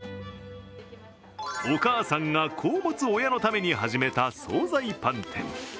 お母さんが子を持つ親のために始めた総菜パン店。